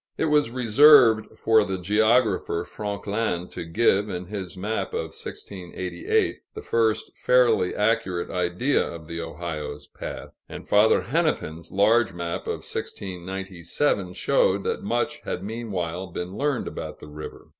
It was reserved for the geographer Franquelin to give, in his map of 1688, the first fairly accurate idea of the Ohio's path; and Father Hennepin's large map of 1697 showed that much had meanwhile been learned about the river.